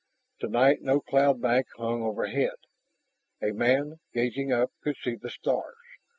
Tonight no cloud bank hung overhead. A man, gazing up, could see the stars.